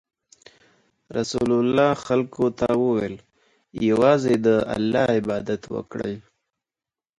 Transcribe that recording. رسول الله خلکو ته وویل: یوازې د الله عبادت وکړئ.